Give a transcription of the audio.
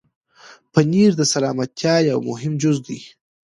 پنېر د سلامتیا یو مهم جز دی.